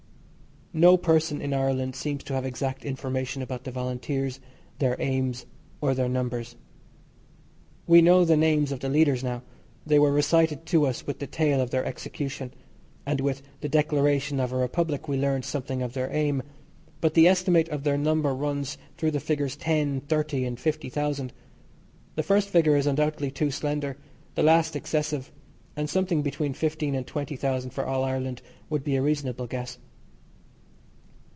No person in Ireland seems to have exact information about the Volunteers, their aims, or their numbers. We know the names of the leaders now. They were recited to us with the tale of their execution; and with the declaration of a Republic we learned something of their aim, but the estimate of their number runs through the figures ten, thirty, and fifty thousand. The first figure is undoubtedly too slender, the last excessive, and something between fifteen and twenty thousand for all Ireland would be a reasonable guess.